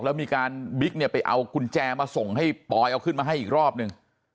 แล้วมีการบิ๊กเนี่ยไปเอากุญแจมาส่งให้ปอยเอาขึ้นมาให้อีกรอบนึง